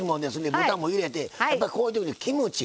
豚も入れてやっぱこういう時にキムチ。